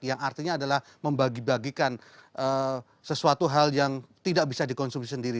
yang artinya adalah membagi bagikan sesuatu hal yang tidak bisa dikonsumsi sendiri